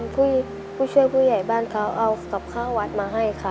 ผู้ช่วยผู้ใหญ่บ้านเขาเอากับข้าววัดมาให้ค่ะ